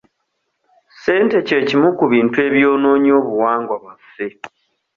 Ssente kye kimu ku bintu ebyonoonye obuwangwa bwaffe.